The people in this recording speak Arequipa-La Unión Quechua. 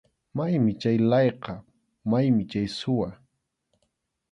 Maymi chay layqa, maymi chay suwa.